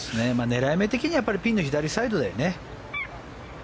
狙い目的にはピンの左サイドだよね。